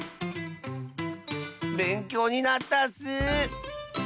べんきょうになったッス！